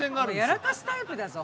やらかすタイプだぞ？